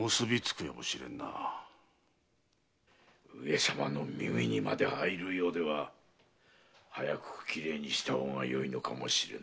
上様の耳にまで入るようでは早く綺麗にした方がよいのかもしれぬ。